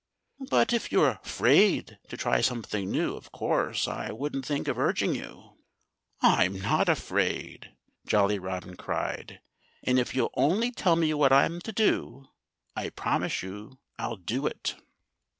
But if you're afraid to try something new, of course I wouldn't think of urging you." "I'm not afraid!" Jolly Robin cried. "And if you'll only tell me what I'm to do, I promise you I'll do it!"